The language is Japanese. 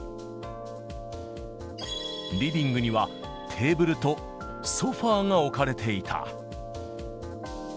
リビングには、テーブルとソファーが置かれていた。